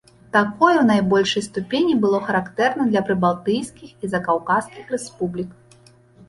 Такое ў найбольшай ступені было характэрна для прыбалтыйскіх і закаўказскіх рэспублік.